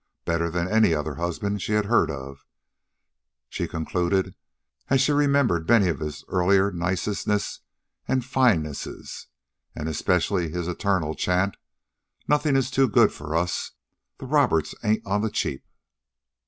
Better than any other husband she had heard of, she concluded, as she remembered many of his earlier nicenesses and finenesses, and especially his eternal chant: NOTHING IS TOO GOOD FOR US. THE ROBERTSES AIN'T ON THE CHEAP.